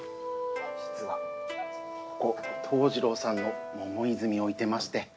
実はここ桃次郎さんの桃泉置いてまして。